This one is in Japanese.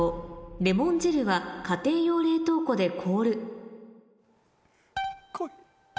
「レモン汁は家庭用冷凍庫で凍る」こい。